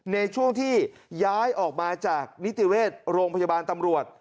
ในช่วงที่ย้ายออกมาจากนิติเวชโรงพยาบาลตำรวจ